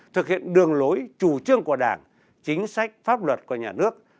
thực hiện đường lối chủ trương của đảng chính sách pháp luật của nhà nước